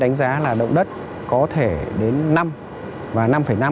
đánh giá là động đất có thể đến năm và năm năm